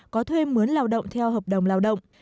có thuê mướn lao động theo hợp đồng lao động